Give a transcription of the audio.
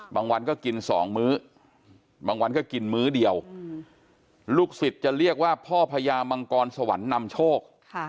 บางวันก็กิน๒มื้อบางวันก็กินมื้อเดียวลูกศิษย์จะเรียกว่าพ่อพญามังกรสวรรค์นำโชค